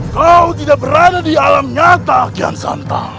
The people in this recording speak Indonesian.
kau tidak berada di alam nyata ken santam